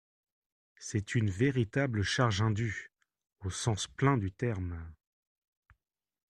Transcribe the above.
C’est une véritable charge indue, au sens plein du terme.